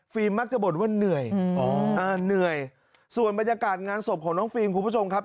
มักจะบ่นว่าเหนื่อยเหนื่อยส่วนบรรยากาศงานศพของน้องฟิล์มคุณผู้ชมครับ